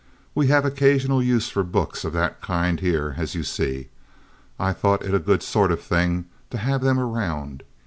"We have occasional use for books of that kind here, as you see. I thought it a good sort of thing to have them around."